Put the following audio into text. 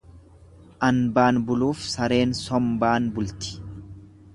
Anbaan buluuf sareen sombaan bulti.